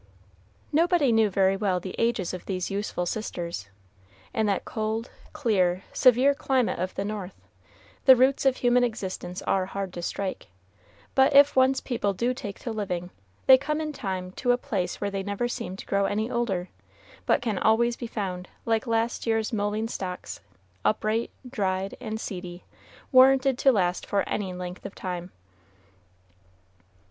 Nobody knew very well the ages of these useful sisters. In that cold, clear, severe climate of the North, the roots of human existence are hard to strike; but, if once people do take to living, they come in time to a place where they seem never to grow any older, but can always be found, like last year's mullein stalks, upright, dry, and seedy, warranted to last for any length of time.